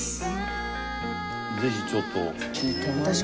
ぜひちょっと。